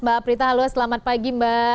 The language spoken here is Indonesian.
mbak prita halo selamat pagi mbak